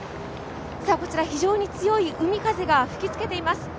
こちら、非常に強い海風が吹きつけております。